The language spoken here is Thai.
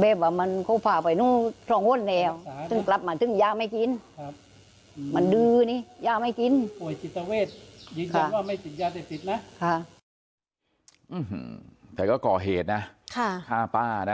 เบี้ยวว่ามันเขาก็พาไปนั้นทั้งโค้กเต้นแหลว